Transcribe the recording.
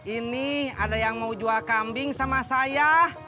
ini ada yang mau jual kambing sama saya